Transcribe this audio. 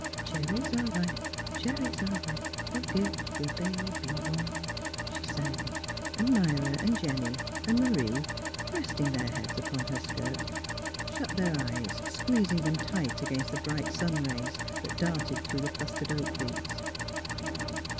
'' Cherries are ripe ; cherries are ripe ; oh, give the baby one! " she sang, and Myra and Jennie and M 'rie resting their heads upon her skirt shut their eyes, squeezing them tight against the bright 264 THE HEART OF PHILURA sunrays that darted through the clustered oak leaves.